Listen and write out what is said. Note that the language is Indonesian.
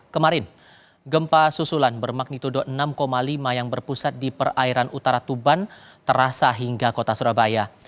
kemarin gempa susulan bermagnitudo enam lima yang berpusat di perairan utara tuban terasa hingga kota surabaya